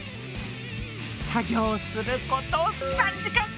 作業する事３時間。